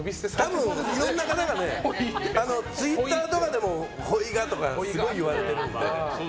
多分いろんな方がツイッターとかでもほいがってすごい言われるので。